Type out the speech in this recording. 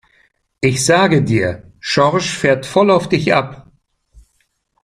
Ich sage dir, Schorsch fährt voll auf dich ab!